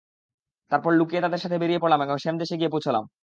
তারপর লুকিয়ে তাদের সাথে বেরিয়ে পড়লাম এবং শাম দেশে গিয়ে পৌঁছলাম।